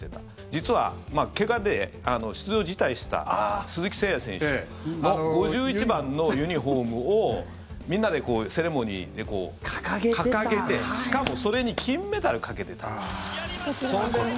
実は、怪我で出場辞退した鈴木誠也選手の５１番のユニホームをみんなでセレモニーで掲げてしかも、それに金メダルかけてたんですよ。